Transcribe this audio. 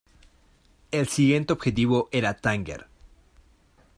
El siguiente objetivo era Tánger.